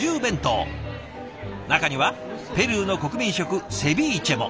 中にはペルーの国民食セビーチェも。